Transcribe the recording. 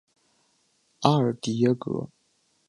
阿尔迪耶格。